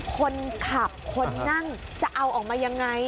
คนขับคนนั่งจะเอาออกมายังไง